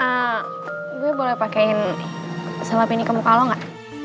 eee gue boleh pakein salep ini kemu kalo gak